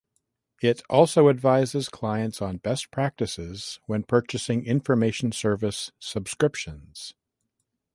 It also advises clients on best practices when purchasing information service subscriptions.